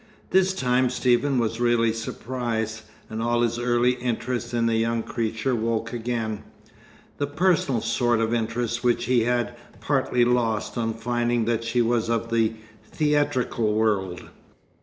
This time Stephen was really surprised, and all his early interest in the young creature woke again; the personal sort of interest which he had partly lost on finding that she was of the theatrical world.